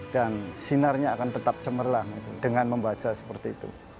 dan sinarnya akan tetap cemerlang dengan membaca seperti itu